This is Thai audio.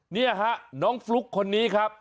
นี่ฮะน้องฟลุ๊กคนนี้ครับ